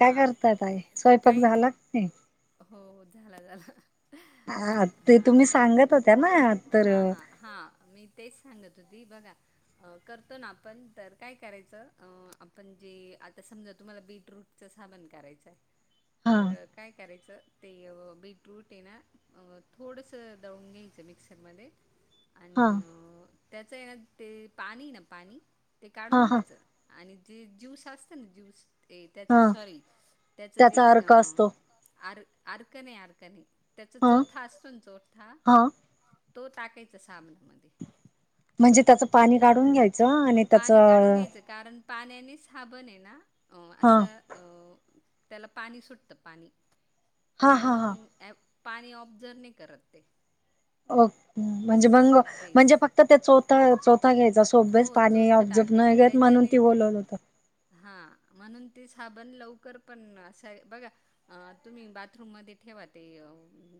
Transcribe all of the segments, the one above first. काय करतात ताई स्वयंपाक झाला की नाही? हो हो झाला झाला. ह ते तुम्ही सांगत होत्या ना तर हा मी तेच सांगत होती बघा अं करतो ना आपण तर काय करायचं अ आपण जे आता समजा तुम्हाला बीटरूट चा साबन करायचाय तर काय ते असं ते अं बीटरूट ये ना थोडस दळून घ्यायचं मिक्सर मध्ये [inaudible] आणि अं त्याचंय ना ते पाणी ना पाणी ते काढून घ्यायचं. आणि जे ज्यूस असतं ना ज्यूस ते त्याचं सॉरी त्याचं जे अ आर अर्क नई आर्क नई त्याचा चोथा असतो ना चोथा तो टाकायचा साबणा मध्ये. म्हणजे त्याचं पाणी काढून घ्यायचं, पाणी काढून घ्यायचं कारण पाण्याने साबण ये ना अ असं अ त्याला पाणी सुटतं पाणी. पाणी ऍब पाणी ऑब्झर्व नही करत ते. ओक म्हणजे मंग म्हणजे फक्त ते चोथा चोथा घ्यायचा अस तो बेसं पाणी ऑब्झप नाही घेत म्हणून ती ओलओल होत. हा म्हणून ती साबण लवकर पण असं य बघा. अ तुम्ही बाथरूम मध्ये ठेवा ते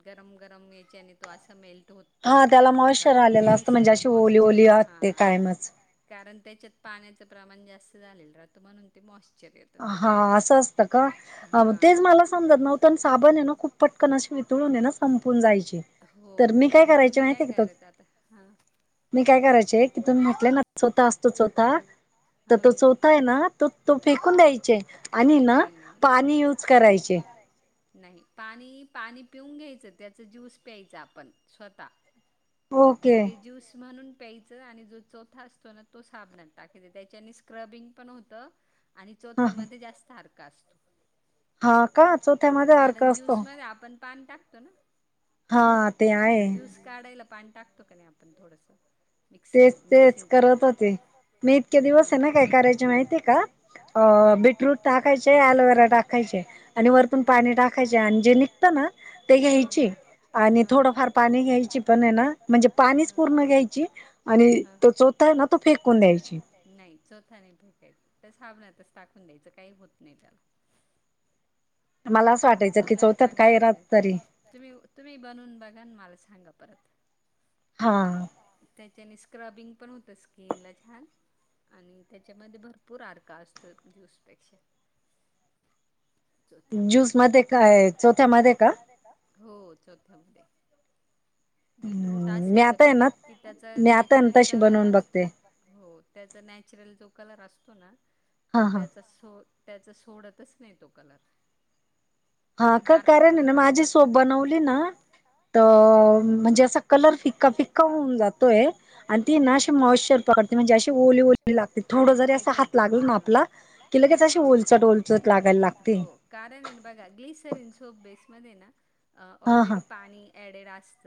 गरम गरम याच्याने तो असा मेल्ट होत अ राहतो ग्लीसर मॉइशचर हा. कारण त्याच्यात पाण्याचं प्रमाण जास्त झालेल राहत म्हणून ते मॉशचर येत. हा असं असतं का तेच मला समजत नव्हत साबण आहे ना खूप पटकन अशी वी तुळून ये ना संपून जायचे. हो म तुम्ही काय करत्या आता हं. मी काय करायचे की तुम्ही म्हटलं ना चोथा असतो चोथा तर तो चो था आहे ना तो तो फेकून द्यायचे. नही नही नही नही पाणी युज करायचे. नही पाणी पाणी पिऊन घ्यायचं त्याचं ज्यूस प्यायचं आपण स्वतः. ओके. ते ज्यूस म्हणून प्यायचं आणि जो चोथा असतो ना तो साबणात टाकायचा त्याच्याने स्क्रबिंग पण होतं आणि चोथ्यामध्ये जास्त अर्क असतो. कारण ज्यूस मध्ये आपण पान टाकतो ना. ज्यूस काढायला पाणी टाकतो का नाही आपण थोडस. मिक्सर मिक्सिंग करायला हा हा हा! अ बीटरूट टाकायचे, अलोवेरा टाकायचे आणि वरूतुन पाणी टाकायचे आणि जेनी. असत ना ते घ्यायची आणि थोडंफार पाणी घ्यायची. म्हणजे पाणीच पूर्ण घ्यायची आणि तो चोथा ना तो फेकून द्यायची. नाही चोथा नाही फेकायच त्या साबनातच टाकून द्यायचं काही होत नाही त्याला. मला असं वाटायचं की चौथ्यात काय राहात तरी. तुम्ही तुम्ही बनून बघा न माला सांगा परत. हा हा हा! काय त्याने स्क्रबिंग पण होत स्किन ला छान. आणि त्याच्यामध्ये भरपूर अर्क असतो ज्यूस पेक्षा. ज्यूस मध्ये काय, चौथ्या मध्ये का, हो चोथ्या मध्ये. बीटरूट अस हे का तुम्ही कि त्याचा नॅचरल कलर असतो. हो त्याचा नॅचरल जो कलर असतो ना तो त्याचा. त्याचा सोडतच नाही तो कलर. हा का कारण ना माझी सोप बनवली ना तर म्हणजे असं कलर फिक्का फिक्का होऊन जातोय आणि ती नाशी मॉइश्चर पकडते म्हणजे अशी ओली ओली लागते थोड जरी असं हात लागल ना आपला की लगेच अशी ओलचट ओलचट लागायला लागते. कारणन बघ अ ग्लीसरन सोप बेस मध्ये ना आऑलरेडी पाणी ॲडेड असस्त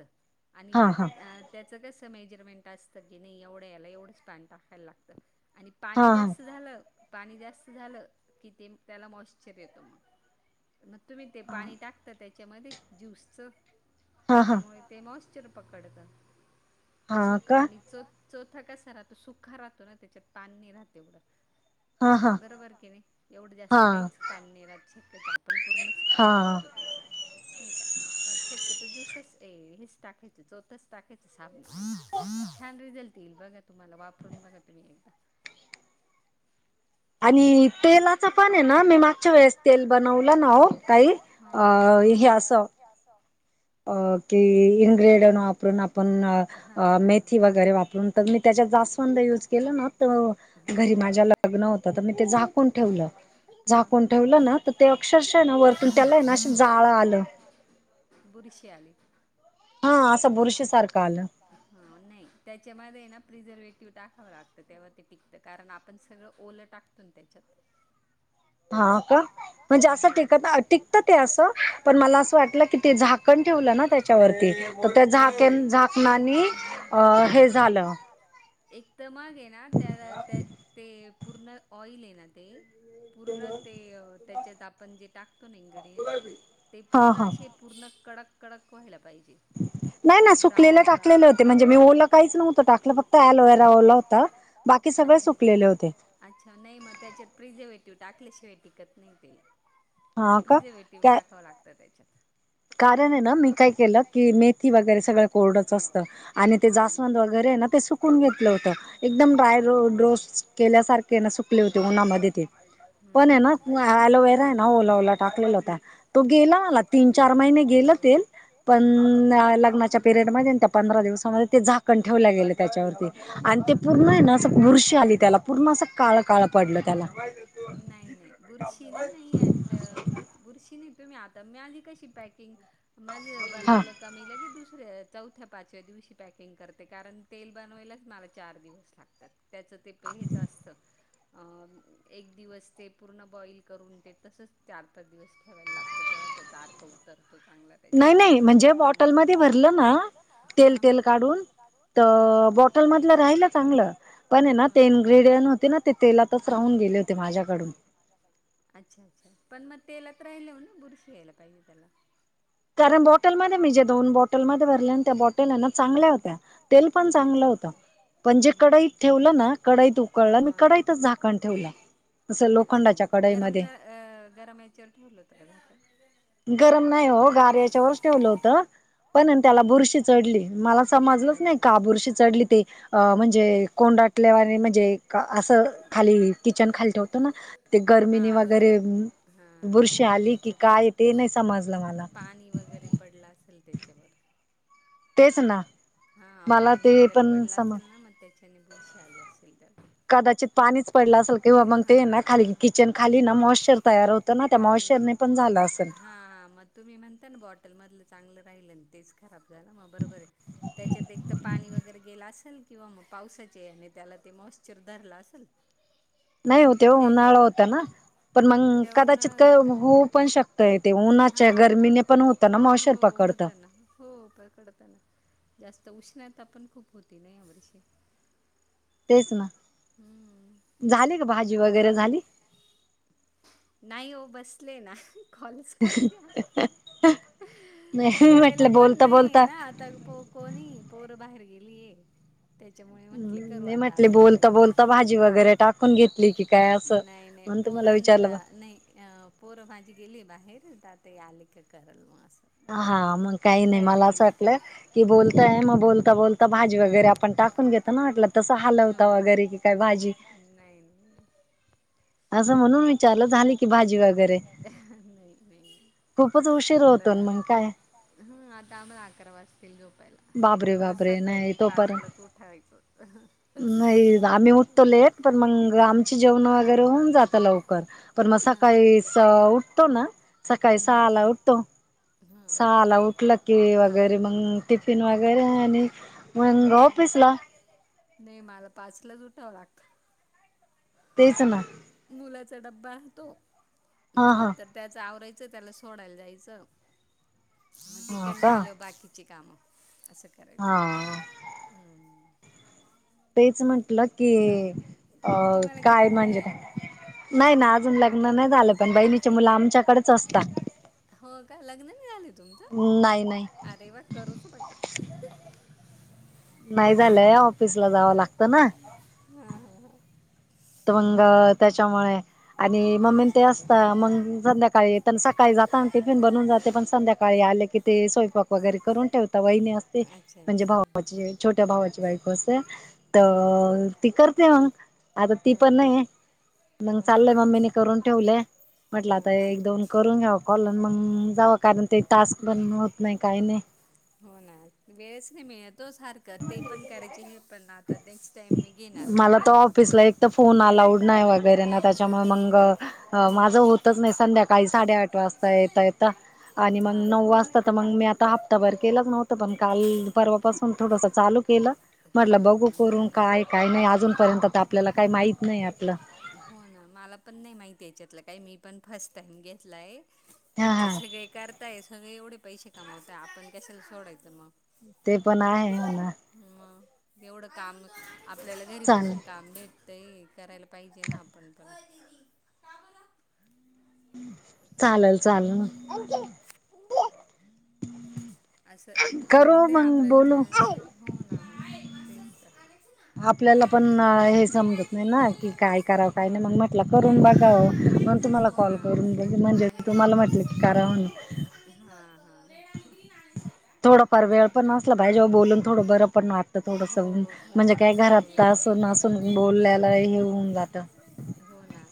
आणि आ त्याचं कसं मेजरमेंट असतं की नही एवढं याला एवढंच पाणी टाकायला लागतं. आणि पाणी जास्त झालं पाणी जास्त झालं की ते त्याला मॉइश्चर येतो मग. मग तुम्ही ते पाणी टाकता त्याच्यामध्ये ज्यूसचं त्याच्यामुळे ते मॉशचर पकडत असं होत आणि चौथा कसा राहतो सुखा राहतो ना त्याच्या तानणी नहीं राहत एवढ. बरोबर की नाही एवढं जास्त काहीच पाणी नाही रात शक्यतो आपण पूर्णच काढून घेतो. अचच नई का. मग शक्यतो ज्युसस हेच टाकायच चोथच टाकायच साबना छान रिझल्ट येईल बघा तुम्हाला वापरून बघा तुम्ही एकदा. आणि तेलाच पण आहे ना मी मागच्या वेळेस तेल बनवलं ना हो ताई. हा हा हा हा. अ. की इन्ग्रेडियं वापरून आपण मेथी वगैरे वापरून तर मी त्याच्या जास्त युज केलं ना तर घरी माझ्या लग्न होत तर मी ते झाकून ठेवलं. हा हा. बुरशी आली. हा असं बुरशीसारखं आलं. ह नाही त्याच्यामध्ये ना प्रिझर्वेटिव टाकावं लागतं तेव्हा ते टिकतं कारण आपण सगळं ओलं टाकत न तेच्यात. हा का म्हणजे असं टिकत टिकतं ते असं पण मला असं वाटलं की ते झा कन ठेवलं ना त्याच्यावरती तर त्या झाकेन झाकणानी हे झालं. एक तर मग आहे ना त्याला ते पूर्ण ऑइल आहे ना ते. पूर्ण ते त्याच्यात आपण जे टाकतो ना इन्ग्रेडियन्स ते पूर्ण असे पूर्ण कडक कडक व्हायला पाहिजे. ह! नाही ना सुकलेले टाकलेले होते म्हणजे मी ओलं काहीच नव्हतं टाकलं फक्त लोवेरा ओला होता बाकी की सगळे सुकलेले होते. अच्छा नाही मग त्याच्यात प्रिझर्वेटिव्ह टाकल्याशिवाय टिकत नाही ते. प्रिझर्वेटिव्ह टाकावं लागतं त्याच्यात. कारण आहे ना मी काय केलं की मेथी वगैरे सगळं कोरडंच असतं आणि ते जास्वंद वगैरे ना ते सु कून घेतलं होत एकदम ड्राय रोज केल्यासारख हम्म हम्म. तो गेला आला तीन चार महिने गेल तेल पण लग्नाच्या पिरियडमध्येध त्या पंधरा दिवसामध्ये ते झाकण ठेवल्या गेले. त्याच्यावरती आणि ते पूर्ण आहे ना अस बुरशी आली त्याला पूर्ण अस काळ अस काळ काळ पडलं त्या नाही नाही बुरशी ना नाही आता बर बुरशी नाही तुम्ही आता मिळाली कशी पॅकिंग माझ बनवलं. कमीला की दुसऱ्या चौथ्या पाचव्या दिवशी पॅकिंग करते, कारण तेल बनवायलाच मला चार दिवस लागतात. त्याचं ते पण हेच असतं. अ एक दिवस ते पूर्ण बॉईल करून ते, तसच चार पाच दिवस ठेवायला लागत. तेव्हा त्याचा अर्क उतरतो चांगला. त्याच्यात नाही नाही बॉटल मध्ये भरलं ना तेल तेल काढून तर बॉटल मधलं राहिलं चांगलं, पण आहे ना ते इन्ग्र्रीडियं होते ना तेलातच राहून गेले होते माझ्याकडून. अच्छा अच्छा! पण मग तेला तर राहिले हो ना बुरशी यायला पाहिजे त्याला. कारण बॉटलमध्ये मी जे दोन बॉटलमध्ये भरले त्या बॉटल ना चांगल्या होत्या तेल. पण चांगला होता पण जे कडईत ठेवलं ना कडईत उकळला मी कडाईतच झाकण ठेवला. असं लोखंडाच्या कडाईमध्ये अ गरम याच्यावर ठेवलंत का झाकण? गरम नाही हो गार याच्यावरच ठेवलं होत. पण त्याला बुरशी चढली मला समजलंच नाही का बुरशी चढली ते? अ म्हणजे कोंडाटल्यावाणी आणि म्हणजे असं खाली किचन खाली ठेवतो ना ते गर्मीने वगैरे, बुरश आली की काय? पाणी वगैरे पडला असेल त्याच्यावर. तेच ना. हा पाणी वगैरे पडलं असेल ना मग त्याच्याने बुरशी आली असेल त्याला पाणीच पडलं असेल किंवा मग ते ना खाली किचन खाली ना मॉइश्चर तयार होतं ना त्या मॉइश्चरने. पण झालं असेल. हा मग तुम्ही म्हणता ना बॉटल मधलं चांगलं राहिल तेच खराब झालं मग बरोबर आहे. त्याच्यात एक तर पाणी वगैरे गेला असेल, किंवा मग पावसाचे आणि त्याला ते मॉश्चर धरला असल. नाही हो तेव्हा उन्हाळा होता ना. पण मग कदाचित का होऊ पण शकतय, ते उन्हाच्या गर्मीने पण होत त्यांना मॉइशर पकडतं. हो पकडतंना, जास्त उष्णता पण खूप होती ना या वर्षी. तेच ना. हम्म. झाली का भाजी वगैरे झाली. नाही ओ बसले ना. कॉलच करत्या, जेवायला पण नाही आहे ना आता पो कोणी, पोरं बाहेर गेलीय. त्याच्यामुळे म्हटले करू आता आरामशीर. पण घेतलीय की नाही नाही, पोरांना ला नाही, अ. पोरं माजी गेलीय बाहेर, तर आता आले का करल मग असं. ह हा, मग. काही नाही, मला असं वाटलं, की बोलताय मग बोलता बोलता भाजी वगैरे आपण टाकून घेतो. ना वाटलं, तसं हलवता वगैरे की काय भाजी. नाही न. असं म्हणून विचारल झाले की भाजी नाही नाही. खूपच उशीर होतो, न मग काय. ह आता आम्हाला अकरा वाजतील झोपायला. परत सकाळी पाचलाच ऊठायचं अं पण मंग आमची जेवणं होऊन जात लवकर पण मग सकाळीस उठतो ना सकाळी सहाला उठतो, सहाला उठलं केळी वगैरे मग टिफिन वगैरे आणि हो, नाही मला पाचलाच उठावं लागतं. तेच ना. मुलाचा डब्बा आसतो, म नंतर त्याच आवरायचं, त्याला सोडायला जायचं, मग तिकडनं आल्याव बाकीची कामं असं का- हा हम्म. तेच म्हंटलं की, अ काय म्हणजे नाही ना अजून लग्न नाही झालं, पण बहिणीचे मुलं आमच्याकडेच असतात. हो का, लग्न नाही झाले तुमचं, अरे वा! करूच नका. नाही झालंय, ऑफिसला जावं लागतं ना. हा हा हा. मंग त्याच्यामुळे आणि मम्मी तेन असता म्हणून संध्याकाळी पण सकाळी जातांना टिफिन बनवून जाते, पण संध्याकाळी आले की ते स्वयंपाक वगैरे करून ठेवता वहिनी अस ते म्हणजे भावाची छोट्या भावाची बायको असते, तर ती करते मग आता ती पण नाहीये. मग चाललय, मम्मीनी करून ठेवलेय, म्हटलं आता एक दोन करून घ्याव. कॉल मग जाव कारण ते टास्क पण होत नाही काही हो ना, वेळच नाही मिळत ओ सारख करतेये पण करायची पण आता ते टायमिंग मला तर ऑफिसला एक तर फोन अलाऊड नाही वगैरे ना त्याच्यामुळे मंग माझं होतच नाही, संध्याकाळी साडेआठ वाजता येता येता आणि मग नऊ वाजता तर मग मी आता हप्ताभर केलंच नव्हतं पण काल परवापासून थोडस चालू केलं. म्हटलं बघू करून काय काय नाही अजूनपर्यंत तर आपल्याला काही माहीत नाही यातलं. हो ना मला पण नाही माहिती याच्यातलं काही मी पण फर्स्ट टाइम घेतलाय. म्हंटले सगळे करताय सगळे एवढे पैसे कमावताय, आपण कशाला सोडायचं मग ते पण आहे म्हणा. म येवढं काम आपल्याला घरी बसून काम भेटतय करायला पहिजे ना आपण पण चालल चालल. असं भेटते आपल्याला चान्स हो ना तेच आपल्याला पण हे समजत नाही ना की काय करावं काय नाही मग म्हटलं करून बघावं म्हणून तुम्हाला कॉल कॉल करून बघू म्हणजे तुम्हाला म्हटलं की कराव ना हा हा [inaudible] थोडंफार वेळ पण असला पाहिजे ओ बोलून थोडं बरं पण वाटतं थोडस म्हणजे काय घरात का असून असून बोलल्याला हे होऊन जात. हो ना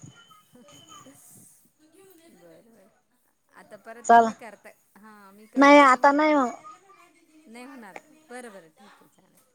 बर बर आता परत तुम्ही करता हा मी करू का तुम्हाला नही होणार, बरं-बरं ठीक आहे चाले